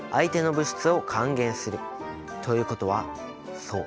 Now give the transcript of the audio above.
ということはそう！